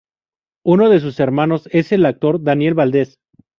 Uno de sus hermanos es el actor Daniel Valdez.